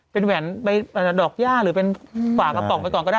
เป็นแหวนไปดอกย่าหรือเป็นฝากระป๋องไปก่อนก็ได้